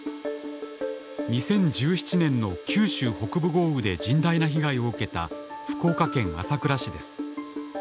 ２０１７年の九州北部豪雨で甚大な被害を受けた福岡県朝倉市です。